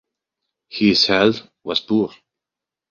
His health was poor.